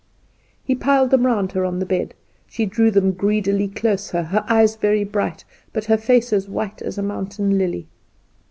He piled them round her on the bed; she drew them greedily closer, her eyes very bright, but her face as white as a mountain lily.